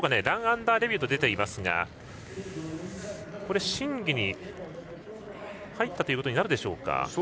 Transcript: ランアンダーレビューと出ていますが審議に入ったことになるでしょうか。